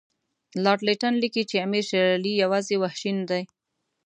لارډ لیټن لیکي چې امیر شېر علي یوازې وحشي نه دی.